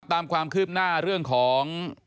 ตามความคืบหน้าเรื่องของ